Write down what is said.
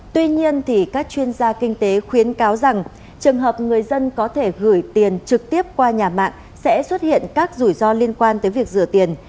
tuy nhiên các chuyên gia kinh tế khuyến cáo rằng trường hợp người dân có thể gửi tiền trực tiếp qua nhà mạng sẽ xuất hiện các rủi ro liên quan tới việc rửa tiền